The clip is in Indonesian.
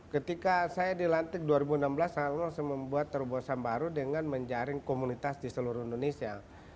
ketika saya dilantik dua ribu enam belas selalu membuat terobosan baru dengan menjaring komunitas di seluruh indonesia